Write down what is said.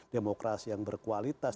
demokrasi yang berkualitas